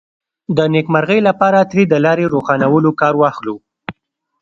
د نېکمرغۍ لپاره ترې د لارې روښانولو کار واخلو.